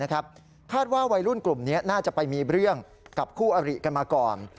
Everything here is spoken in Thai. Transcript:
คาดว่าวัยรุ่นกลุ่มนี้น่าจะไปมีเรื่องกับคู่อริกันมาก่อน